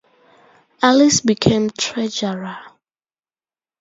Allis became Treasurer.